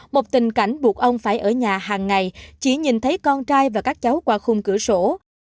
một tình cảnh buộc ông phải ở nhà hàng ngày chỉ nhìn thấy con trai và các cháu qua khung cửa sổ